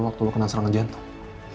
waktu lu kena serangan jantung